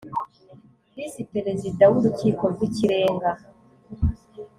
visi perezida w urukiko rw ikirenga